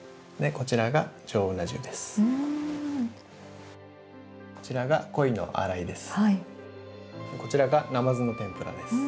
こちらが、なまずの天ぷらです。